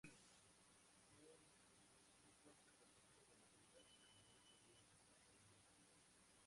Un cincuenta por ciento de los habitantes originales perdieron tus tierras.